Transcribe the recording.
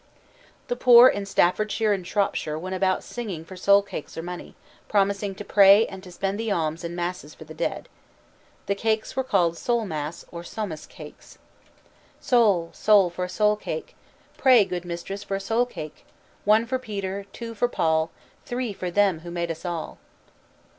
_ The poor in Staffordshire and Shropshire went about singing for soul cakes or money, promising to pray and to spend the alms in masses for the dead. The cakes were called Soul mass or "somas" cakes. "Soul! Soul! for a soul cake; Pray, good mistress, for a soul cake. One for Peter, two for Paul, Three for them who made us all."